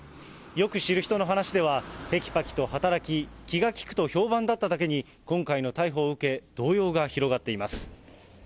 よく知る人の話では、てきぱきと働き、気が利くと評判だっただけに、今回の逮捕を受け、動揺が広がっています。